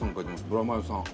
ブラマヨさん。